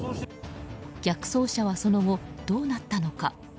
逆走車はその後、どうなったのか。